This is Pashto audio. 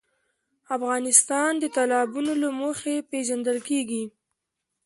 افغانستان د تالابونه له مخې پېژندل کېږي.